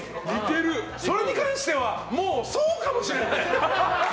それに関してはもう、そうかもしれない。